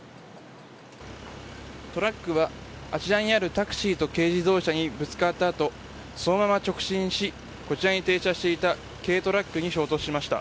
トラックはあちらにあるタクシーと軽自動車にぶつかったあとそのまま直進しこちらに停車していた軽トラックに衝突しました。